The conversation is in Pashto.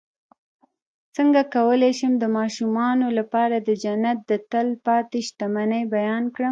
څنګه کولی شم د ماشومانو لپاره د جنت د تل پاتې شتمنۍ بیان کړم